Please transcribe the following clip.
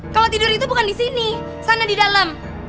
kalau tidur itu bukan disini sana di dalam